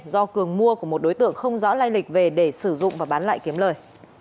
do cường mua của một đối tượng không rõ lai lịch về để sử dụng và bán lại kiếm lời